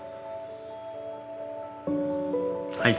はい。